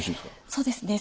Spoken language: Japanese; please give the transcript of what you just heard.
そうですね。